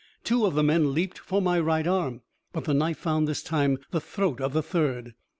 Two of the men leaped for my right arm, but the knife found, this time, the throat of the third.